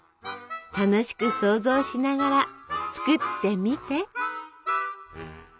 楽しく想像しながら作ってみて！